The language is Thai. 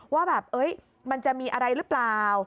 ว่าแบบมันจะมีอะไรหรือเปล่า